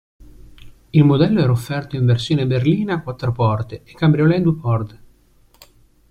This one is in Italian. Il modello era offerto in versione berlina quattro porte e cabriolet due porte.